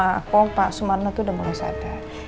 aku pak sumarno tuh udah mulai sadar